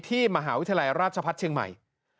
มหาวิทยาลัยราชพัฒน์เชียงใหม่